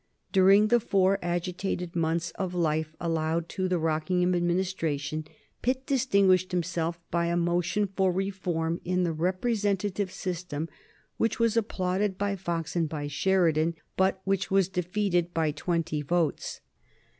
During the four agitated months of life allowed to the Rockingham Administration Pitt distinguished himself by a motion for reform in the representative system which was applauded by Fox and by Sheridan, but which was defeated by twenty votes.